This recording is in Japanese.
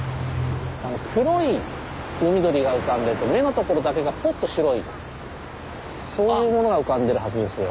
黒い海鳥が浮かんでて目の所だけがポッと白いそういうものが浮かんでるはずですよ。